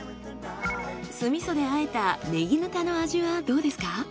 酢味噌で和えたねぎぬたの味はどうですか？